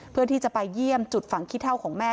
เพื่อที่จะไปเยี่ยมจุดฝังขี้เท่าของแม่